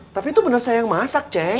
tapi itu bener saya yang masak ceng